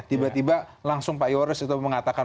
tiba tiba langsung pak yoris itu mengatakan